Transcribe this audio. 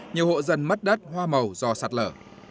nhiều hộ dân mất đất hoa màu do sạt lở